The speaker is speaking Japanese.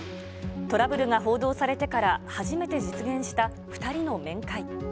トラブルが報道されてから初めて実現した２人の面会。